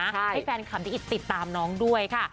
ให้แฟนคลับได้ติดตามน้องด้วยค่ะ